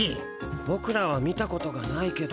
ボクらは見たことがないけど。